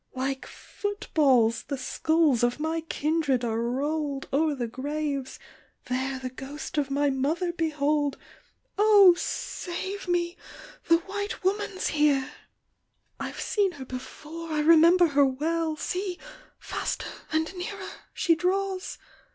Like footballs the skulls of my kindred are roll'd O'er the graves! — There the ghost of my mother behold ! O save me ! the white woman's here !" I've seen her before ; I remember her well ! See ! faster and nearer she draws